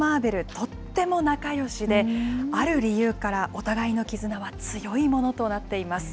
とっても仲よしで、ある理由から、お互いの絆は強いものとなっています。